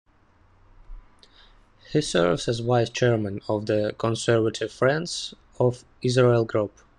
He serves as Vice Chairman of the Conservative Friends of Israel group.